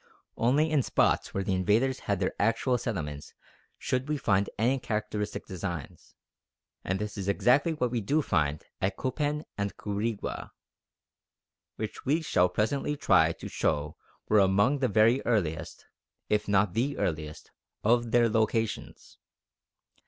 Only in spots where the invaders had their actual settlements should we find any characteristic designs. And this is exactly what we do find at Copan and Quirigua, which we shall presently try to show were among the very earliest, if not the earliest, of their locations.